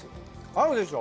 合うでしょ？